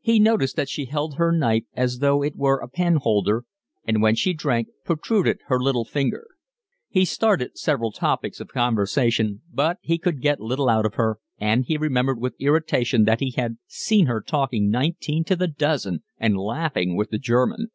He noticed that she held her knife as though it were a pen holder, and when she drank protruded her little finger. He started several topics of conversation, but he could get little out of her, and he remembered with irritation that he had seen her talking nineteen to the dozen and laughing with the German.